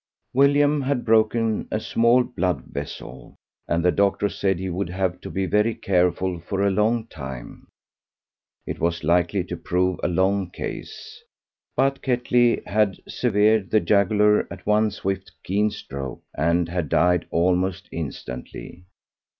William had broken a small blood vessel, and the doctor said he would have to be very careful for a long time. It was likely to prove a long case. But Ketley had severed the jugular at one swift, keen stroke, and had died almost instantly.